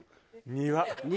庭！